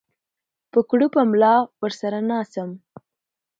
په کړوپه ملا به ورسره ناڅم